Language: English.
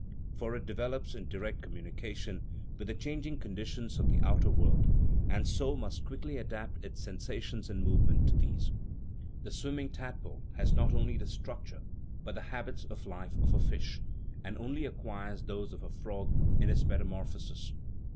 For it develops in direct commu nication with the changing conditions of the outer world, and so must quickly adapt its sensation and movement to these. The swimming tadpole has not only the structure but the habits of life of a fish, and only acquires those of a frog in its metamorphosis.